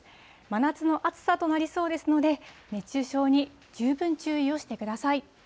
真夏の暑さとなりそうですので、熱中症に十分注意をしてください。